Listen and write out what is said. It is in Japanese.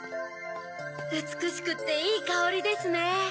うつくしくっていいかおりですね。